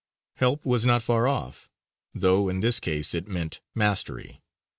Help was not far off, though in this case it meant mastery.